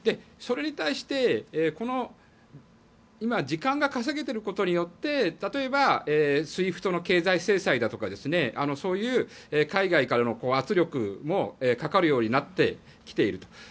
それに対して、今時間が稼げていることによって例えばＳＷＩＦＴの経済制裁だとかそういう海外からの圧力もかかるようになってきていると。